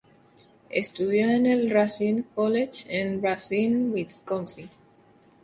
Estudió en el Racine College en Racine, Wisconsin.